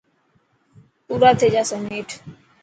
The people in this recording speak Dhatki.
پورا ٿي جاسي نيٺ.